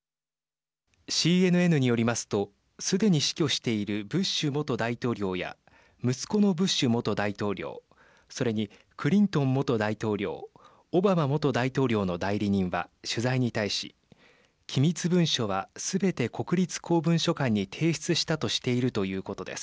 ＣＮＮによりますとすでに死去しているブッシュ元大統領や息子のブッシュ元大統領それにクリントン元大統領オバマ元大統領の代理人は取材に対し機密文書はすべて国立公文書館に提出したとしているということです。